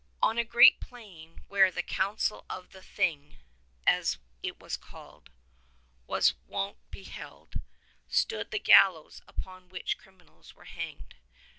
On a great open plain where the Council of the Thing, as it was called, was wont to be held, stood the gallows upon which criminals were hanged.